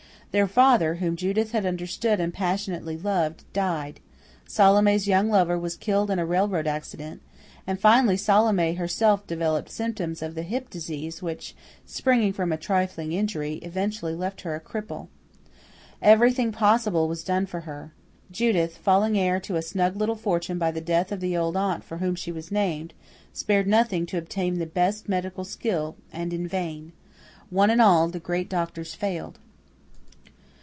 Their father, whom Judith had understood and passionately loved, died; Salome's young lover was killed in a railroad accident; and finally Salome herself developed symptoms of the hip disease which, springing from a trifling injury, eventually left her a cripple. Everything possible was done for her. Judith, falling heir to a snug little fortune by the death of the old aunt for whom she was named, spared nothing to obtain the best medical skill, and in vain. One and all, the great doctors failed.